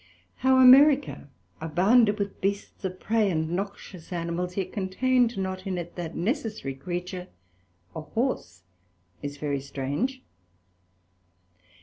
How America abounded with Beasts of prey, and noxious Animals, yet contained not in it that necessary Creature, a Horse, is very strange.